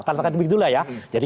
katakanlah begitu saja ya jadi